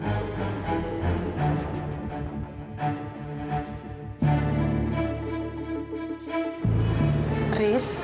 apa yang sebenarnya lagi terjadi sekarang